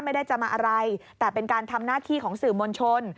ไม่ได้จะมาอะไรแต่เป็นการทำหน้าที่ของสื่อมวลชน